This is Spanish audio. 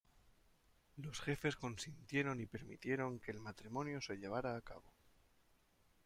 Los jefes consintieron y permitieron que el matrimonio se llevara a cabo.